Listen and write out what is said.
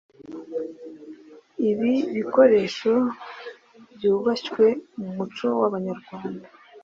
ibi bikoresho byubashywe mu muco w’Abanyarwanda.